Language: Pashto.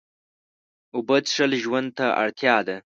اوبه څښل ژوند ته اړتیا ده